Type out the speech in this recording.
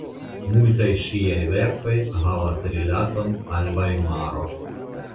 Multaj ŝiaj verkoj havas rilaton al Vajmaro.